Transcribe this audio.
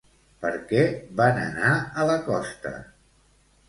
Per què van anar a la costa?